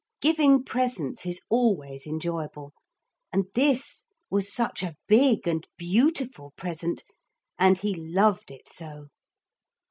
Giving presents is always enjoyable, and this was such a big and beautiful present, and he loved it so.